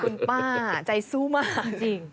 คุณป้าใจสู้มาก